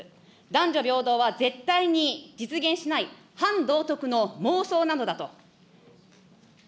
男女平等は絶対に実現しない、反道徳の妄想なのだと。